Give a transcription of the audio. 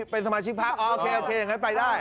อ๋อเป็นสมาชิกพักโอเคอย่างนั้นไปได้